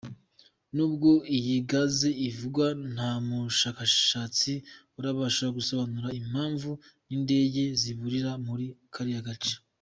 Nubwo iyi Gaz ivugwa ntamushakashatsi urabasha gusobanura impamvu n’indege ziburira muri kariya gace.